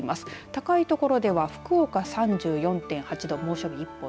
高い所では福岡３４．８度猛暑日一歩